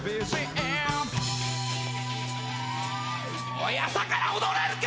おい朝から踊れるか？